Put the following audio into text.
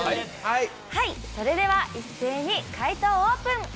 はいそれでは一斉に回答オープン。